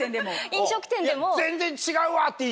飲食店でも。